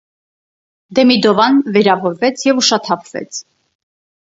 Դեմիդովան վիրավորվեց և ուշաթափվեց։